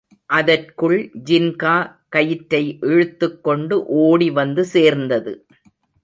அதற்குள் ஜின்கா கயிற்றை இழுத்துக்கொண்டு ஓடிவந்து சேர்ந்தது.